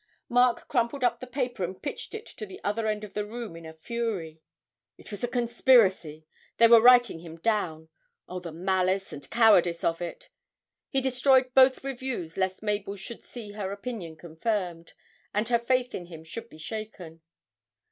Mark crumpled up the paper and pitched it to the other end of the room in a fury it was a conspiracy, they were writing him down oh, the malice and cowardice of it! He destroyed both reviews lest Mabel should see her opinion confirmed, and her faith in him should be shaken.